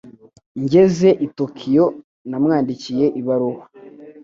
Ngeze i Tokiyo, namwandikiye ibaruwa.